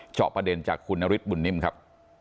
จอบประเด็นจากคุณนฤทธบุญนิ่มครับ